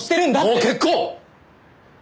もう結構！